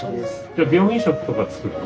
じゃ病院食とか作るの？